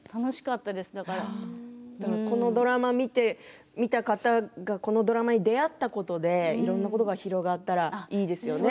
このドラマを見た方がこのドラマに出会ったことでいろんなことが広がったらいいですね。